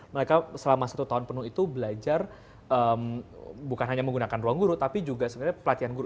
mereka selama satu tahun penuh itu belajar bukan hanya menggunakan ruang guru tapi juga sebenarnya pelatihan guru